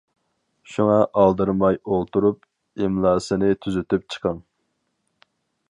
شۇڭا، ئالدىرىماي ئولتۇرۇپ، ئىملاسىنى تۈزىتىپ چىقىڭ.